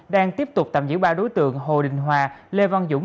đang tiếp tục tạm giữ ba đối tượng hồ đình hòa lê văn dũng